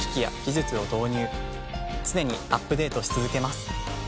常にアップデートし続けます。